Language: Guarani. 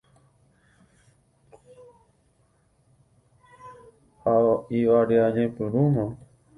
Ha ivare'añepyrũma.